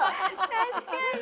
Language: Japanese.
確かに。